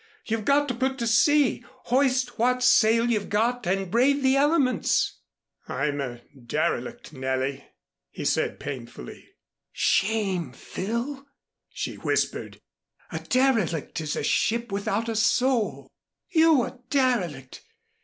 You've got to put to sea, hoist what sail you've got and brave the elements." "I'm a derelict, Nellie," he said painfully. "Shame! Phil," she whispered. "A derelict is a ship without a soul. You a derelict!